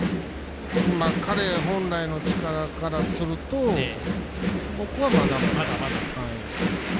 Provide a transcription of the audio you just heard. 彼本来の力からすると僕は、まだ。